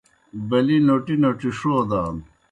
بَلِی نوٹی نوٹی ݜودان۔